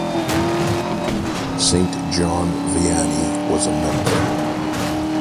Saint John Vianney was a member.